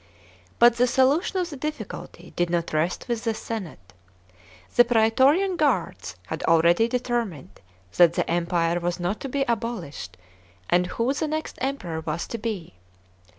But the solution of the difficulty did not rest with the senate. The prastorian guards had already determined that the Empire was not to be abolish d, and who the next Kmperor was to be.